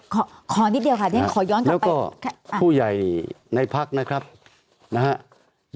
ขอขอนิดเดียวค่ะขอย้อนกลับไปผู้ใหญ่ในพักนะครับนะฮะ